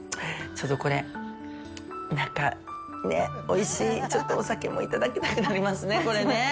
ちょっとこれ、なんかね、おいしい、ちょっとお酒もいただきたくなりますね。